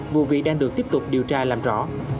vụ việc đang được tiếp tục điều tra làm rõ